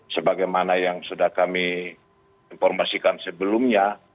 sebagaimana yang sudah kami informasikan sebelumnya